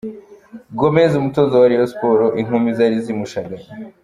Gomez umutoza wa Rayon Sports inkumi zari zimushagaye.